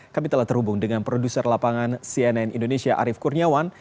kami telah terhubung dengan produser lapangan cnn indonesia arief kurniawan